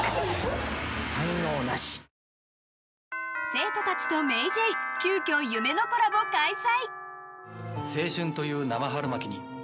⁉生徒たちとＭａｙＪ．急きょ、夢のコラボ開催！